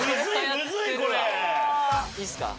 いいっすか？